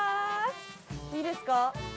いいですか？